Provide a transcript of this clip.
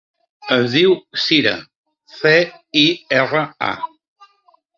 Es diu Cira: ce, i, erra, a.